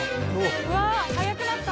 うわ速くなった。